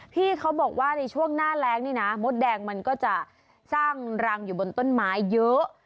พี่เขาบอกว่าในช่วงหน้าแรงนี่นะมดแดงมันก็จะสร้างรังอยู่บนต้นไม้เยอะ